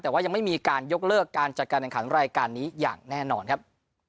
แต่ว่ายังไม่มีการยกเลิกการจัดการแข่งขันรายการนี้อย่างแน่นอนครับ